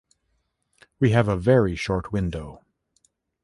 We have a very short window.